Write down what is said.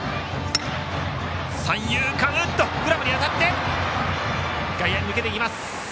グラブに当たって外野に抜けていきました。